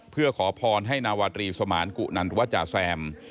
เพื่อขอพรให้นวตรีสมานกุนันตุวจาแซม